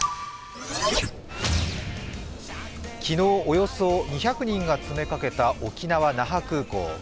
昨日、およそ２００人が詰めかけた沖縄・那覇空港。